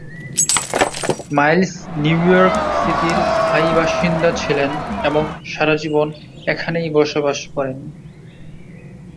Miles New York সিটির স্থায়ী বাসিন্দা ছিলেন এবং সারাজীবন এখানেই বসবাস করেন।